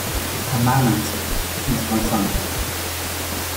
A man answered, He's my son.